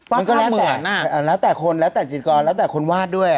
มันก็แล้วแต่แล้วแต่คนแล้วแต่จิตกรแล้วแต่คนวาดด้วย